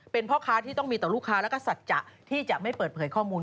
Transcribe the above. เป็นพ่อค้าที่ต้องมีต่อลูกค้าแล้วก็สัจจะที่จะไม่เปิดเผยข้อมูล